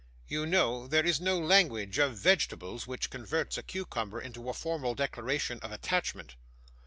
'You know, there is no language of vegetables, which converts a cucumber into a formal declaration of attachment.